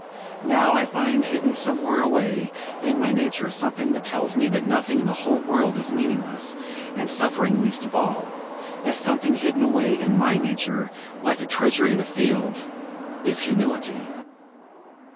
Now I find hidden somewhere away in my nature something that tells me that nothing in the whole world is meaningless, and suffering least of all. That something hidden away in my nature, like a treasure in a field, is Humility.